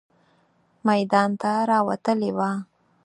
میدان ته راوتلې وه.